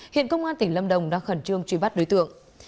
hiện công an tỉnh lâm đồng đang khẩn trương truy bắt đối tượng